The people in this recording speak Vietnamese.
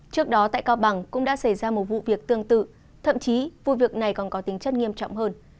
trước đó tại cao bằng cũng đã xảy ra một vụ việc tương tự thậm chí vụ việc này còn có tính chất nghiêm trọng hơn